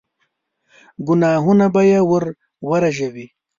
ګناهونه به يې ور ورژوي.